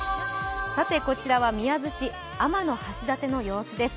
こちらは宮津市、天橋立の様子です。